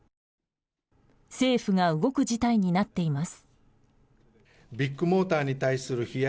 政府が動く事態になっています。